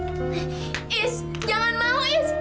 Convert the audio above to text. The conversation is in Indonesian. iis jangan mau iis